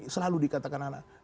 selalu dikatakan anak anaknya